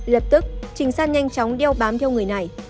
lập tức trinh sát nhanh chóng đeo bám theo người này